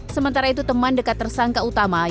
sementara itu teman dekat tersangka utama